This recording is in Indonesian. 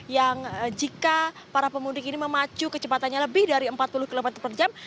yang jika para pemudik ini memacu kecepatannya lebih dari empat puluh km per jam